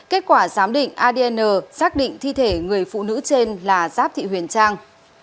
kết quả giám định adn xác định thi thể người phụ nữ trên là giáp thị huyền trang